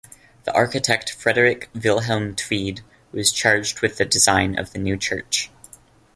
The architect Frederik Vilhelm Tvede was charged with the design of the new church.